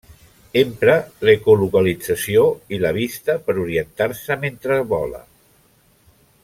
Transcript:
Empra l'ecolocalització i la vista per orientar-se mentre vola.